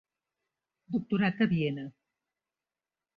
Doctorat a Viena.